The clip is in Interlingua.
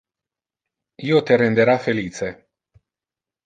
Io te rendera felice.